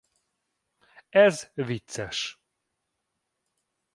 Ez vicces.